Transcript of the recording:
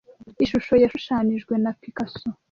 Ishusho yashushanijwe na Picasso.